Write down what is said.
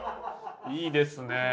いいですね。